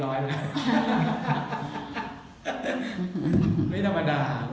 นั่งเครื่องบินกับวิกันแป๊บเดียว